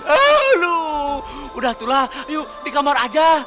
aduh udah itulah ayo di kamar aja